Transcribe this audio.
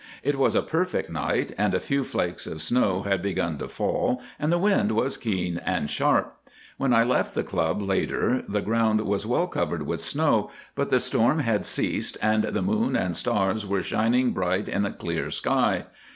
It was a perfect night, and a few flakes of snow had begun to fall, and the wind was keen and sharp. When I left the Club later the ground was well covered with snow, but the storm had ceased, and the moon and stars were shining bright in a clear sky.